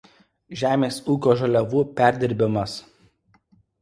Žemės ūkio žaliavų perdirbimas.